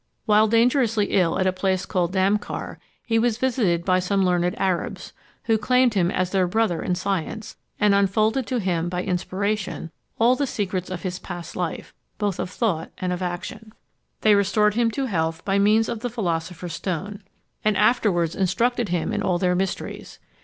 While dangerously ill at a place called Damcar, he was visited by some learned Arabs, who claimed him as their brother in science, and unfolded to him, by inspiration, all the secrets of his past life, both of thought and of action. They restored him to health by means of the philosopher's stone, and afterwards instructed him in all their mysteries.